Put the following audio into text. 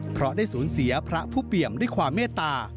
เพราะได้สูญเสียพระผู้เปี่ยมด้วยความเมตตา